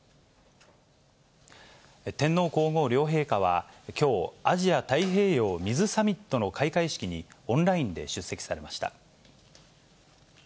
天皇皇后両陛下はきょう、アジア・太平洋水サミットの開会式にオンラインで出席されました。